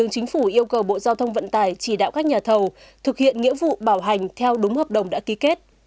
chính phủ yêu cầu bộ giao thông vận tải chỉ đạo các nhà thầu thực hiện nghĩa vụ bảo hành theo đúng hợp đồng đã ký kết